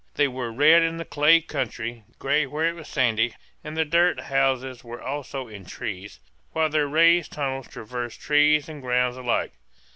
They were red in the clay country, gray where it was sandy; and the dirt houses were also in trees, while their raised tunnels traversed trees and ground alike.